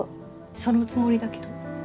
そのつもりだけど。